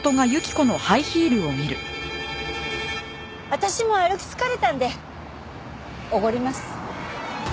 私も歩き疲れたのでおごります。